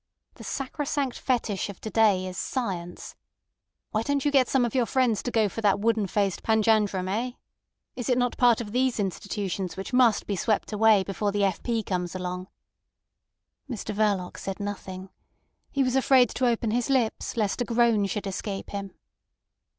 The sacrosanct fetish of to day is science. Why don't you get some of your friends to go for that wooden faced panjandrum—eh? Is it not part of these institutions which must be swept away before the F. P. comes along?" Mr Verloc said nothing. He was afraid to open his lips lest a groan should escape him.